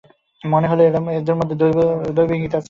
মনে হল এর মধ্যে দৈবের ইঙ্গিত রয়েছে।